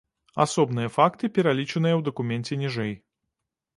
Асобныя факты пералічаныя ў дакуменце ніжэй.